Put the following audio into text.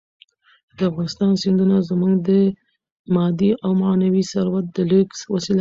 د افغانستان سیندونه زموږ د مادي او معنوي ثروت د لېږد وسیله ده.